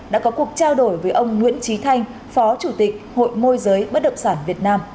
đã có cuộc trao đổi với ông nguyễn trí thanh phó chủ tịch hội môi giới bất động sản việt nam